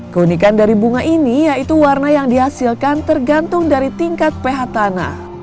keunikan dari bunga ini yaitu warna yang dihasilkan tergantung dari tingkat ph tanah